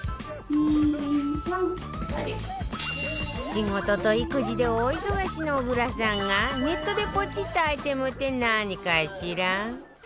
仕事と育児で大忙しの小倉さんがネットでポチったアイテムって何かしら？